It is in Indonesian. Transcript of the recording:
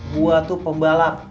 gue tuh pembalap